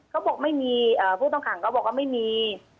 เขาบอกไม่มีผู้ต้องขังก็บอกว่าไม่มี